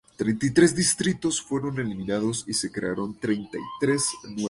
Treinta y tres distritos fueron eliminados y se crearon treinta y tres nuevos.